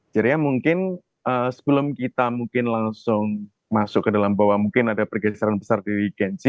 jadi mungkin sebelum kita langsung masuk ke dalam bahwa mungkin ada pergeseran besar di gen z